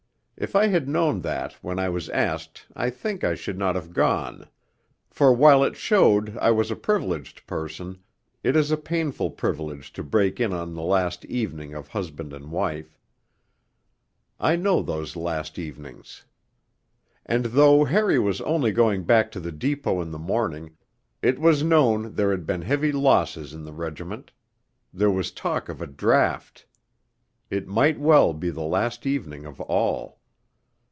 If I had known that when I was asked I think I should not have gone; for while it showed I was a privileged person, it is a painful privilege to break in on the 'last evening' of husband and wife; I know those last evenings. And though Harry was only going back to the Depot in the morning, it was known there had been heavy losses in the regiment; there was talk of a draft ... it might well be the last evening of all.